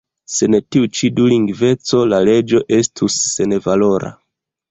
Sen tiu ĉi dulingveco la leĝo estus senvalora.